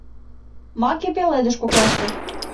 Маке пеледыш коклаште.